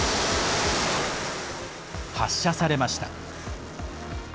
発射されました。